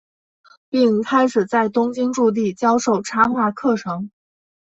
并开始在东京筑地教授插画课程。